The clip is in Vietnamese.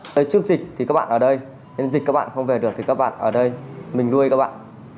tới trước dịch thì các bạn ở đây nên dịch các bạn không về được thì các bạn ở đây mình nuôi các bạn